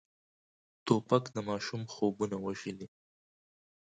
توپک د ماشوم خوبونه وژلي.